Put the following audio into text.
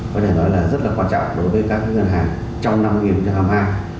có thể nói là rất là quan trọng đối với các ngân hàng trong năm hai nghìn hai mươi hai